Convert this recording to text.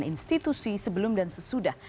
dan institusi sebelum dan sesudah